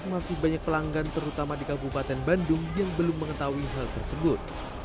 masih banyak pelanggan terutama di kabupaten bandung yang belum mengetahui hal tersebut